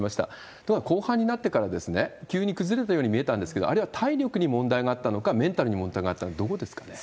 ただ、後半になってから急に崩れたように見えたんですけど、あれは体力に問題があったのか、メンタルに問題があったのか、どこですかね？